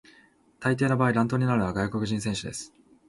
大抵の場合、乱闘になるのは外国人選手です。